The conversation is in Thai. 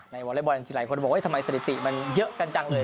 วอเล็กบอลที่หลายคนบอกว่าทำไมสถิติมันเยอะกันจังเลย